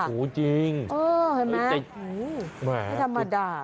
สูงจริงไม่ธรรมดา